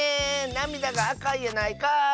なみだがあかいやないかい！